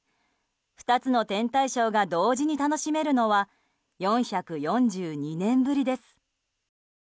２つの天体ショーが同時に楽しめるのは４４２年ぶりです。